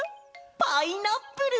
パイナップル！